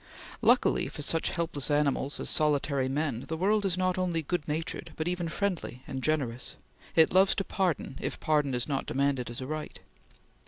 Luckily for such helpless animals as solitary men, the world is not only good natured but even friendly and generous; it loves to pardon if pardon is not demanded as a right.